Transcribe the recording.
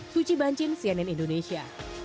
suci banjin cnn indonesia